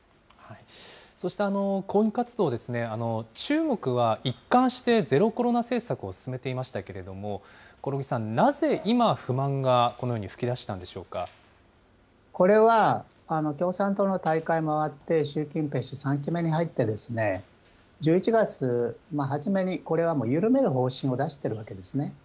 そうした抗議活動、中国は一貫してゼロコロナ政策を進めていましたけれども、興梠さん、なぜ今、不満がこのように噴き出したこれは、共産党の大会も終わって、習近平氏、３期目に入って、１１月初めに、これはもう緩める方針を出してるわけですね。